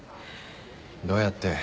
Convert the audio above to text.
どうやって？